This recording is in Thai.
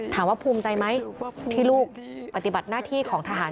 ถามว่าภูมิใจไหมที่ลูกปฏิบัติหน้าที่ของทหาร